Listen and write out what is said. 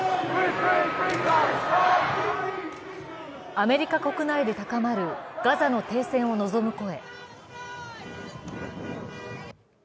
アメリカ国内で高まるガザの停戦を望む声。